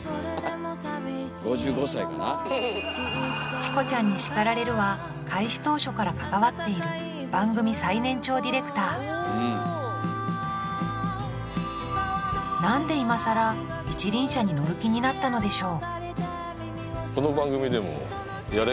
「チコちゃんに叱られる！」は開始当初から関わっている番組最年長ディレクターなんで今さら一輪車に乗る気になったのでしょう？